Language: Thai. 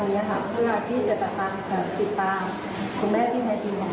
คุณแม่พิแพทย์จริงของหัวแถม